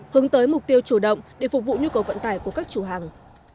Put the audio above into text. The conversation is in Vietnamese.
hướng tới mục tiêu chủ động để phục vụ nhu cầu vận tải của các chủ hàng